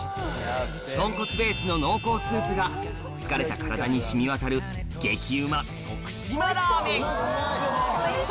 豚骨ベースの濃厚スープが疲れた体に染みわたる激うま徳島ラーメン！